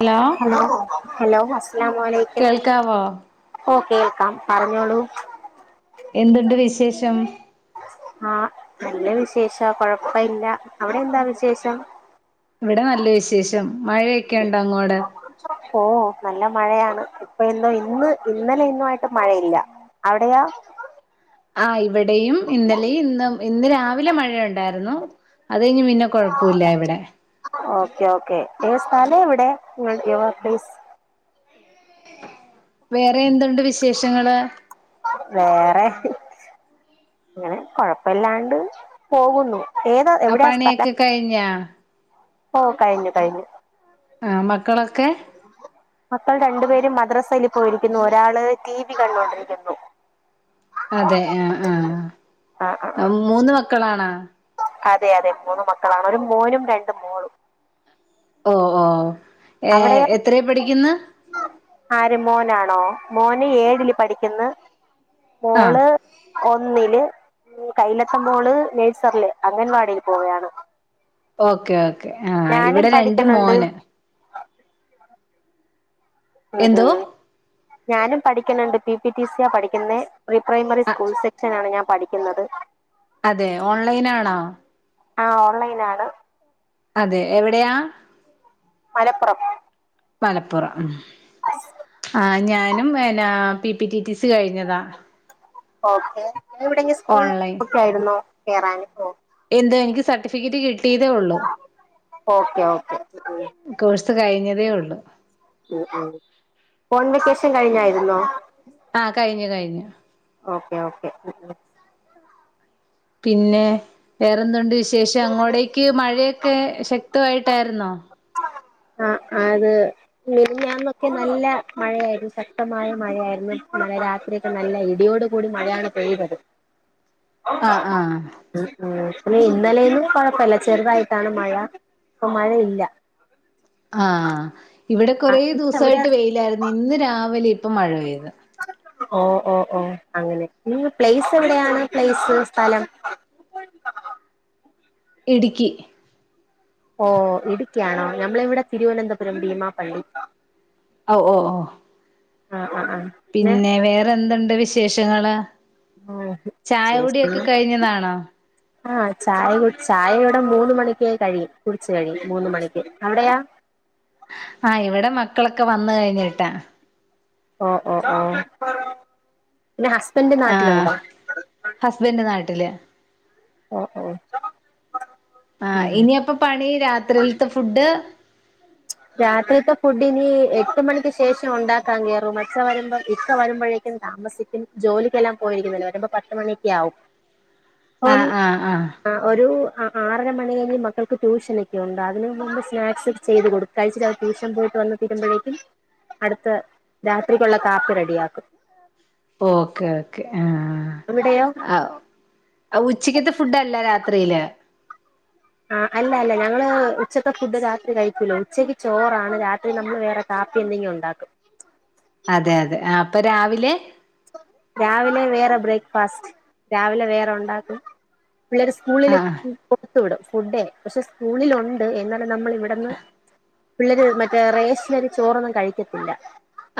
Hello hello hello അസ്സലാമു അലൈ കേൾക്കാവോ ഓഹ് കേൾക്കാം പറഞ്ഞോളൂ എന്തുണ്ട് വിശേഷം ആഹ് നല്ല വിശേഷാ. കൊഴപ്പ ഇല്ല. അവിടെ എന്താ വിശേഷം? ഇവിടെ നല്ല വിശേഷം. മഴയൊക്കെ ഉണ്ടോ അങ്ങോട്? ഓഹ് നല്ല മഴയാണ്. ഇപ്പ ഇന്നും ഇന്ന് ഇന്നലെ ഇന്നു ആയിട്ട് മഴയില്ല. അവിടെയോ? ആഹ് ഇവിടെയും ഇന്നലെയും ഇന്നും ഇന്ന് രാവിലെ മഴയുണ്ടായിരുന്നു. അത് കഴിഞ്ഞ് പിന്നെ കൊഴപ്പുല്ല ഇവെടെ. Okay okay. നിങ്ങ സ്ഥലം എവിടെ? നിങ്ങൾ യുവർപ്ലേസ് വേറെ എന്തുണ്ട് വിശേഷങ്ങള്? വേറെ. ഇങ്ങനെ കൊഴപ്പല്ലാണ്ട് പോവുന്നു. ആഹ് പണിയൊക്കെ കഴിഞ്ഞാ? ഓഹ് കഴിഞ്ഞു കഴിഞ്ഞു ആഹ് മക്കളൊക്കെ മക്കൾ രണ്ടു പേരും മദ്രസയിൽ പോയിരിക്കുന്നു. ഒരാള് ടി വി കണ്ടോണ്ടിരിക്കുന്നു. അതെ ആഹ് ആഹ്. ആ ആ ആ അഹ് മൂന്ന് മക്കളാണാ? അതെ അതെ മൂന്ന് മക്കളാണ്. ഒരു മോനും രണ്ട് മോളും. ഓഹ് ഓഹ്. ഏഹ് അവിടെയോ എത്രയി പഠിക്കുന്ന്? ആര് മോനാണോ? മോന് ഏഴില് പഠിക്കുന്ന്, ആഹ് മോള് ഒന്നില് കൈയിലത്തെ മോള് നെഴ്സറില് അംഗൻവാടിയിൽ പോവ്യാണ്. ഓക്കേ ഓക്കേ ആഹ് ഞാനും ഇവിടെ രണ്ട് പഠിക്കുന്നുണ്ട് മോന്. ഉം, എന്തോ? ഉം. ഞാനും പഠിക്ണ് ണ്ട്. പി ടി ടിസിയാ പഠിക്കുന്നേ പ്രീ പ്രൈമറി സ്കൂൾ സെക്ഷനാണ് ഞാൻ പഠി ക്കുന്നത്. അതെ. ഓൺലൈനാണോ? ആഹ് ഓൺലൈനാണ്. അതെ എവിടെയാ? മലപ്പുറം. മലപ്പുറം. ഉം ആഹ് ഞാനും പിന്നെ P P T T C കഴിഞ്ഞതാ. ഓക്കെ വേറെ എവിടെങ്കും സ്കൂൾ ഓൺലൈൻ നോക്കെയിരുന്നോ കേറാനോ എന്തോ‌ എനിക്ക് സർട്ടിഫിക്കറ്റ് കിട്ടിയതേ ഉള്ളൂ. ഓക്കെ ഓക്കെ കോഴ്സ് കഴിഞ്ഞതേ ഒള്ളു. ഉം ഉം. കോൺവിറ്റേഷൻ കഴിഞ്ഞായിരുന്നോ? ആഹ് കഴിഞ്ഞു കഴിഞ്ഞു. Okay okay. പിന്നെ വേറെന്തണ്ട് വിശേഷം? അങ്ങോടേക്ക് മഴയൊക്കെ ശക്തമായിട്ടാരുന്നോ? ആഹ് അത് മിനിഞ്ഞാന്നൊക്കെ നല്ല മഴയായിരുന്നു ശക്തമായ മഴയായിരുന്നു ഇന്നലെ രാത്രി നല്ല ഇടിയോട് കൂടി മഴയാണ് പെയ്തത്. ആഹ് ആഹ് ഉം ഉം പിന്നെ ഇന്നലെയിന്നും കൊഴപ്പല്ല. ചെറുതായിട്ടാണ് മഴ ഇപ്പൊ മഴയില്ല. ആഹ് ഇവടെ ആ കൊറേ ഇന്ന് എവിടെയാ ദിവസായിട്ട് വെയിലായിരുന്നു. ഇന്ന് രാവിലെ ഇപ്പൊ മഴ പെയ്ത്. ഓഹ് ഓഹ് ഓഹ് അങ്ങനെ. നിങ്ങ പ്ലേസ് എവിടെയാണ് പ്ലേസ് സ്ഥലം. ഇടുക്കി. ഓഹ് ഇടുക്കിയാണോ ഞമ്മളിവിടെ തിരുവനന്തപുരം ഭീമാപ്പള്ളി. ഓഹ് ഓഹ് ഓഹ് ആഹ് ആഹ് ആഹ് പിന്നെ വേറെന്തുണ്ട് വിശേഷങ്ങള്? ആ ചായ ശരി കുടിയൊക്കെ പിന്നെ കഴിഞ്ഞതാണോ? ആഹ് ചായ കു ചായ ഇവടെ മൂന്ന് മണിക്ക് കഴിയും കുടിച്ച് കഴിയും മൂന്ന് മണിക്ക്. അവിടെയോ? ആഹ് ഇവടെ മക്കളൊക്കെ വന്ന് കഴിഞ്ഞിട്ടാ. ഓഹ് ഓഹ് ഓഹ് പിന്നെ ഹസ് ആഹ് ഹസ്ബൻഡ് നാട്ടില്. ഓ ഓ ആഹ് ഉം ഇനി അപ്പൊ പണി രാത്രിയിലത്തെ ഫുഡ് രാത്രിത്തെ ഫുഡ്നി എട്ട് മണിക്ക് ശേഷം ഉണ്ടാക്കാൻ കേറും. അച്ച വരുമ്പോ ഇക്ക വരുമ്പഴേക്കും താമസിക്കും. ജോലിക്കെല്ലാം പോയിരിക്കുന്നല്ലോ വരുമ്പോ പത്ത് മണിക്കെ ആകും. ആഹ് ആഹ് ആഹ് ആഹ് ഒരു അ ആറര മണി കഴിഞ്ഞ് മക്കൾക്ക് ട്യൂഷനൊക്കെ ഉണ്ട് അതിന് മുമ്പ് സ്നാക്സ് ചെയ്ത് കൊടു കഴിച്ചിട്ട് അവര് ട്യൂഷൻ പോയിട്ട് വന്ന് തീരുമ്പഴേക്കും അടുത്ത് രാത്രിക്കുള്ള കാപ്പി റെഡിയാക്കും. ഓക്കേ ഓക്കേ ആഹ് അവിടെയോ ആഹ് ഓഹ് ഉച്ചക്കത്തെ ഫുഡല്ല രാത്രിയില്. ആഹ് അല്ല അല്ല ഞങ്ങള് ഉച്ചത്തെ ഫുഡ് രാത്രി കഴിക്കൂല ഉച്ചക്ക് ചോറാണ് രാത്രി നമ്മൾ വേറെ കാപ്പി എന്തെങ്കിലും ഉണ്ടാക്കും. അതെ അതെ ആ അപ്പൊ രാവിലെ രാവിലെ വേറെ ബ്രേക്ക്ഫാസ്റ്റ് രാവിലെ വേറെ ഉണ്ടാക്കും. പിള്ളേര് സ്കൂളിൽ ആഹ് കൊടുത്തു വിടും ഫുഡേ. പക്ഷെ സ്കൂളിലുണ്ട് എന്നാലും നമ്മൾ ഇവിടുന്ന് പിള്ളര് മറ്റേ റേഷനരി ചോറൊന്നും കഴിക്കത്തില്ല.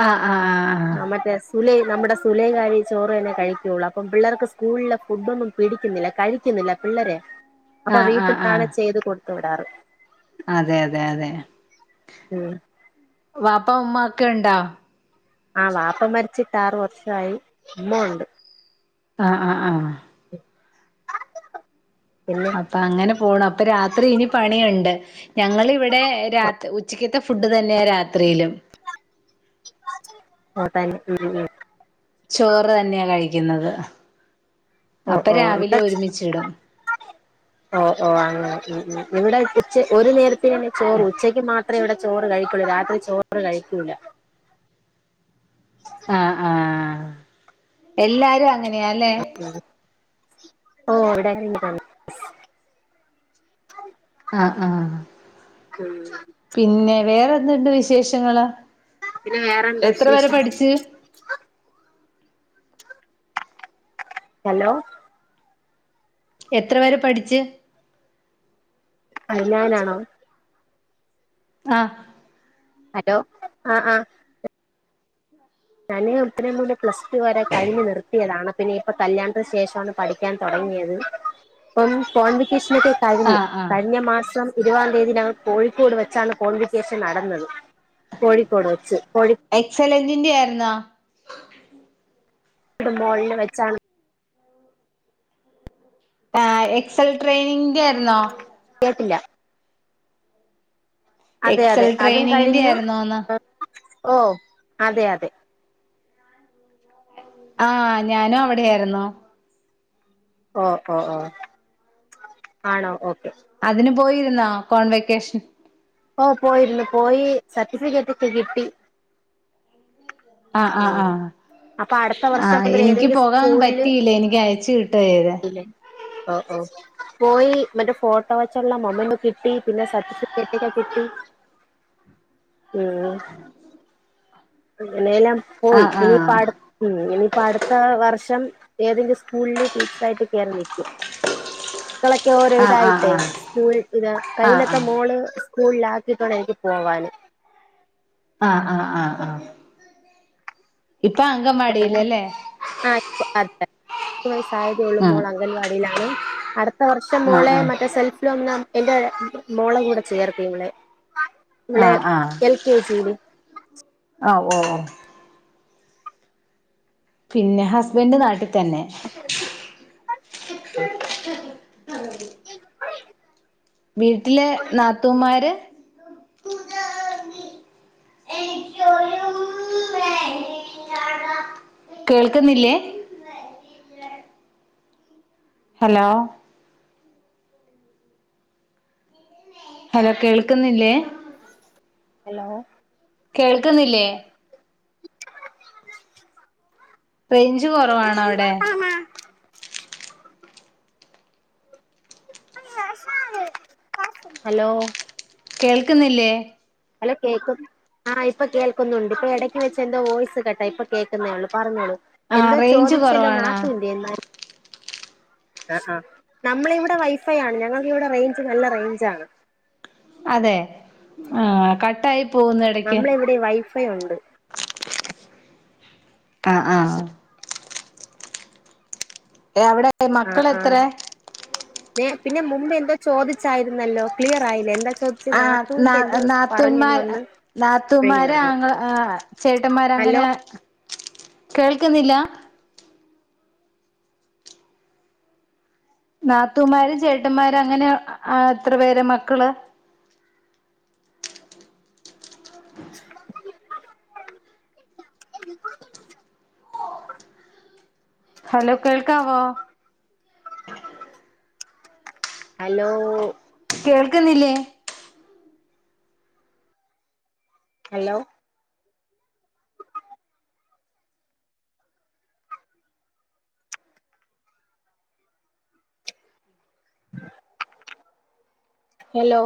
ആഹ് ആഹ് ആഹ് ആ മറ്റേ ഉല്ലെ നമ്മുടെ സ്‌ സുലേഖകാരി ചോറ് തന്നെ കഴിക്കുള്ളൂ. അപ്പം പിള്ളർക്ക് സ്കൂളിലെ ഫുഡ് ഒന്നും പിടിക്കുന്നില്ല കഴിക്കുന്നില്ല. പിള്ളേര് അപ്പൊ ആഹ് ആഹ് ആഹ് വീട്ടിന്നാണ് ആഹ് ചെയ്ത് കൊടുത്ത് വിടാറ്. അതെ അതെ അതെ. ഉം വാപ്പ ഉമ്മ ഒക്കെ ഉണ്ടോ? ആ വാപ്പ മരിച്ചിട്ട് ആറ് വർഷായി. ഉമ്മ ഉണ്ട്. ആ ആ ആ പിന്നെ അപ്പ അങ്ങനെ പോണ്. അപ്പൊ രാത്രി ഇനി പണി ഒണ്ട്. ഞങ്ങളിവിടെ രാത് ഉച്ചക്കത്തെ ഫുഡ് തന്നെയ രാത്രിയിലും. [inaudible] ആഹ തന്നെ തന്നെ ചോറ് തന്നെയ കഴിക്കുന്നത് അപ്പൊ രാവിലെ ഒരുമിച്ചിടും ഓഹ ഓഹ അങ്ങനെ ഉം ഉം ഇവിടെ ഉച്ച ഒരു നേരത്തി തന്നെ ചോറു ഉച്ചയ്ക്ക് മാത്ര രാത്ര ഇവിടെ ചോറ് കഴിക്കൂല്ല രാത്രി ചോറ് കഴിക്കൂല ആഹ ആഹ എല്ലാരും അങ്ങന ഓഹ ഇവിടെ [unintelligible] ആഹ ആഹ ഉം പിന്നെ വേറെന്തുണ്ട് വിശേഷങ്ങൾ പിന്നെ വേറെന്താ എത്ര വെരെ വിശേഷം പഠിിച്ചു ഹലോ എത്ര പേര് പഠിച്ച് അത് ഞാനാണോ ആഹ ഹലോ ആഹ ആഹ ഞാനേ ഉത്തരം മൂല് പ്ലസ് ടു വരെ കഴിഞ്ഞ നിർത്തിയതാണ് പിന്നെ ഇപ്പ കല്യാണത്തിന് ശേഷണ് പഠിക്കാൻ തുടങ്ങിയത് ഇപ്പം ഫ [unintelligible] [unintelligible] ഷണിട്ട കഴിഞ്ഞു ആഹ് ആഹ് കഴിഞ്ഞ മാസം ഇരുവ തീയതി ഞങ്ങൾ കോഴിക്കോട് വെച്ചാണ് കോൺവിക്കേഷൻ നടന്നത് കോഴിക്കോട് വെച്ച് കോഴി എക്സലൻസിന്റൻ്റെ ആയിരുന്നാ ഒരു മോളിനെ വെച്ചാണ് ആ എക്സൽ ട്രെയിനിങ്ങന്റെ ആയിന്നോ കേട്ടില്ല അതെ അതെ എക്സൽ അതും ട്രെയിനിങ്ങിന്റെ കഴിഞ്ഞു ആയിരുന്നോന്ന് ഓഹ അതെ അതെ ആഹ ഞാനും അവിടെയായിരുന്നോ ഓഹ ഓഹ ഓഹ ആണോ ഓക്കെ അതിന് പോയിരുന്നോ കോൺ വെക്കേഷൻ ഓ പോയിരുന്നു പോയി സർട്ടിഫിക്കറ്റ് ഒക്കെ കിട്ടി ആഹ ആഹ ഉം ആഹ് അപ്പൊ അടുത്ത വർഷം ആഹ മുതൽ എനിക്ക് ഏതെങ്കിലും പോകാൻ സ്കൂളില് പറ്റിയില്ലേ എനിക്ക് അയച്ചു കിട്ടത് ഓഹ ഓഹ പോയി മറ്റേ ഫോട്ടോ വെച്ചുള്ള മമ്മു കിട്ടി പിന്നെ സർട്ടിഫിക്കറ്റ് ഒക്കെ കിട്ടി [inaudible] ഉം ഇനെല്ലാം പോയി ആഹ് ഇനി ആഹ് പാട ഉം ഇനിയിപ്പോ അടുത്ത വർഷം ഏതെങ്കിലും സ്കൂളില് ടീച്ചേർ ആയിട്ട് കയറി നിൽക്കും [inaudible] മക്കളൊക്കെ ഓരോ ആഹ് ഇതായിട്ടെ ആഹ് സ്കൂൾ ഇ ആഹ് ആഹ് കൈയിലത്ത മാോള് സ്കൂളിലാക്കിയിട്ടൊണ് എനിക്ക് പോവാന് ആഹ ആഹ ആഹ് ആഹ ഇപ്പോൾ അങ്കവാടിയിൽ അല്ലേ ആഹ ഇ [unintelligible] അതെ വയസ്സായതേ ഉള്ള ആഹ് മോൾ അംഗൻവാടിയിലാണ് അടുത്ത വർഷം ആഹ് മോളെോ ആഹ് മറ്റേ സെൽഫിലോ ഒന്ന് എൻറെ മോളെ കൂടെ ചേർക്കയുള്ളേ ആഹ ആഹ ആഹ ഓഹ ഓഹ ഓഹ പിന്നെ ഹസ്ബൻഡ് നാട്ടിൽ തന്നെ [inaudible] വീട്ടിലെ നാത്തൂമാര് [inaudible] കേൾക്കുന്നില്ലേ? ഹലോ ഹലോ കേൾക്കുന്നില്ലേ? ഹലോ കേൾക്കുന്നില്ലേ റേഞ്ച് കുറവാണോ അവിടെ [inaudible] ഹലോ കേൾക്കുന്നില്ലേ ഹലോ കേക്കും ആഹ് ഇപ്പൊ കേൾക്കുന്നുണ്ട് ഇപ്പൊ ഇടയ്ക്ക് വെച്ച എന്തോ വോയിസ് കേട്ടാ ഇപ്പൊ കേൾക്കുന്നേ ഉള്ളൂ പറഞ്ഞോളൂ ആഹ് എന്തോ റേഞ്ച് ചോദിച്ചല്ലോ കുറവാണാ നാത്തൂന്റൊ ആ നമ്മള ഇവിടെ വൈഫൈ ആണ് ഞങ്ങൾക്ക് ഇവിടെ റേഞ്ച് നല്ല റേഞ്ച്ാണ് അതെ ആ കട്ടായി പോകുന്നു ഇടക്ക് നമ്മളെ ഇവിടെ വൈഫൈ ഉണ്ട് ആഹ് ആഹ് എഅവിടെ ആഹ് ആഹ് പിന്നെ മുമ്പ് എന്തോ ചോദിച്ചായിരുന്നല്ലോ ക്ലിയർ ആയില്ലേ എന്താ ചോദിച്ച ആഹ് ന നാത്തൂന്മാർ അപ്പഴേക്കും നാത്തൂമാര് നടന്ന് ആങ്ങ ആ ചേട്ടന്മാര ഹലോ അങ്ങനെ കേൾക്കുന്നില്ല നാത്തൂമാര്ചേട്ടന്മാര് അങ്ങനെ എത്ര പേര് മക്കള് [inaudible] [unintelligible] ഹലോ കേൾക്കാവോ ഹലോ കേൾക്കുന്നില്ലേ ഹലോ ഹലോ